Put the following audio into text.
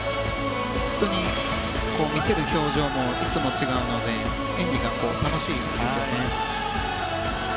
本当に見せる表情もいつも違うので演技が楽しいですよね。